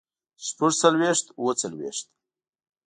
شپږ څلوېښت اووه څلوېښت